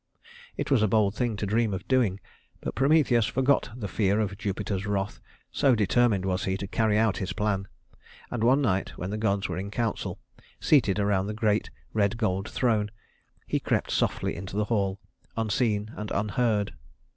It was a bold thing to dream of doing, but Prometheus forgot the fear of Jupiter's wrath, so determined was he to carry out his plan; and one night, when the gods were in council, seated around the great red gold throne, he crept softly into the hall, unseen and unheard.